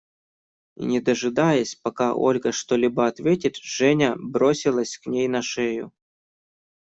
И, не дожидаясь, пока Ольга что-либо ответит, Женя бросилась к ней на шею.